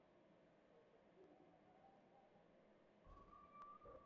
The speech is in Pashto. دښته د زړونو تذکره ده.